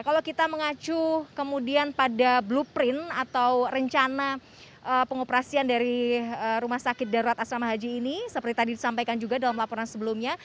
kalau kita mengacu kemudian pada blueprint atau rencana pengoperasian dari rumah sakit darurat asrama haji ini seperti tadi disampaikan juga dalam laporan sebelumnya